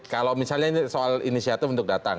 kalau misalnya ini soal inisiatif untuk datang